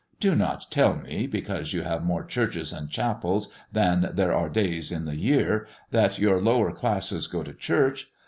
Do not tell me, because you have more churches and chapels than there are days in the year, that your lower classes go to church.